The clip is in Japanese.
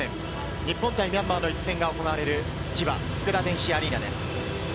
日本対ミャンマーの一戦が行われる千葉・フクダ電子アリーナです。